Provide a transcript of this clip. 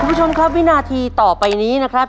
คุณผู้ชมครับวินาทีต่อไปนี้นะครับ